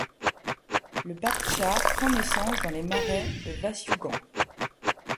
Le Baktchar prend naissance dans les marais de Vassiougan.